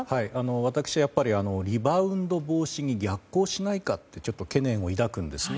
私はリバウンド防止に逆行しないかとちょっと懸念を抱くんですね。